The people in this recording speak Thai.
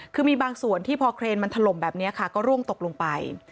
คือมีบางส่วนที่พอเครนมันถล่มแบบนี้ค่ะก็ร่วงตกลงไป